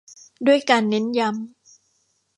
ด้วยการเน้นย้ำ